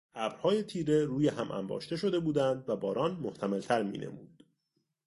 ابرهای تیره روی هم انباشته شده بودند و باران محتملتر مینمود.